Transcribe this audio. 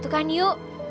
tuh kan yu